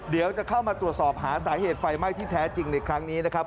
เดี๋ยวจะเข้ามาตรวจสอบหาสาเหตุไฟไหม้ที่แท้จริงในครั้งนี้นะครับ